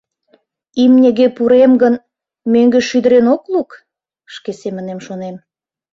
«Имньыге пурем гын, мӧҥгӧ шӱдырен ок лук?» — шке семынем шонем.